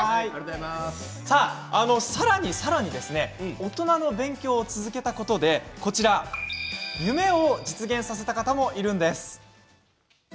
さらにさらにおとなの勉強を続けたことでこちら夢を実現させた方もいるんです。